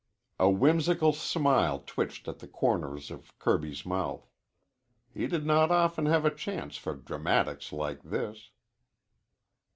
A whimsical smile twitched at the corners of Kirby's mouth. He did not often have a chance for dramatics like this.